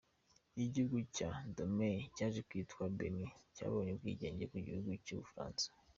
Igihugu cya Dahomey cyaje kwitwa Benin, cyabonye ubwigenge ku gihugu cy’ubufaransa.